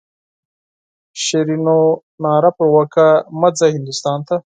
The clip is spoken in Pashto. شیرینو ناره پر وکړه مه ځه هندوستان ته.